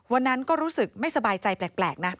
วันนั้นก็รู้สึกไม่สบายใจแปลกนะ